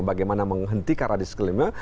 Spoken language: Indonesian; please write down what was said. bagaimana menghentikan radikalisme